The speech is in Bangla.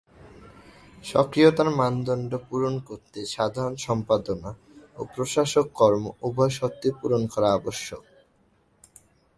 সক্রিয়তার মানদণ্ড পূরণ করতে সাধারণ সম্পাদনা ও প্রশাসক-কর্ম উভয় শর্তই পূরণ করা আবশ্যক।